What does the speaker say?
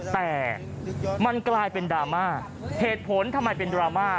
แต่มันกลายเป็นดราม่าเหตุผลทำไมเป็นดราม่า